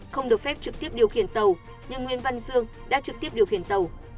không được phép trực tiếp điều khiển tàu nhưng nguyễn văn dương đã trực tiếp điều khiển tàu